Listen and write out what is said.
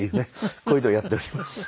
こういうのをやっております。